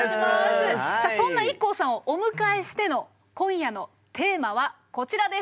さあそんなＩＫＫＯさんをお迎えしての今夜のテーマはこちらです。